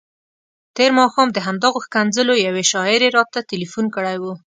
تېر ماښام د همدغو ښکنځلو یوې شاعرې راته تلیفون کړی وو.